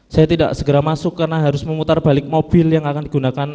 saya tidak segera masuk karena harus memutar balik mobil yang akan digunakan